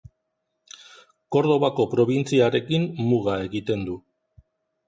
Kordobako probintziarekin muga egiten du.